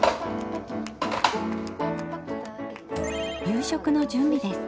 夕食の準備です。